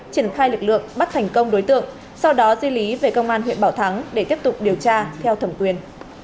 triển khai lực lượng bắt thành công đối tượng sau đó di lý về công an huyện bảo thắng để tiếp tục điều tra theo thẩm quyền